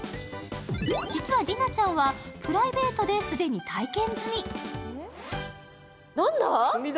実は莉菜ちゃんはプライベートで既に体験済み。